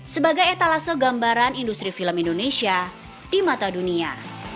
sebagai etalase gambaran industri film indonesia di mata dunia